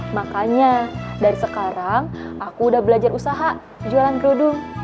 makanya dari sekarang aku udah belajar usaha jualan kerudung